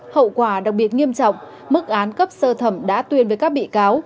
hậu quả đặc biệt nghiêm trọng mức án cấp sơ thẩm đã tuyên với các bị cáo